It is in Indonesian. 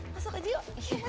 masuk aja yuk